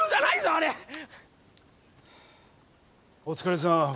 お疲れさん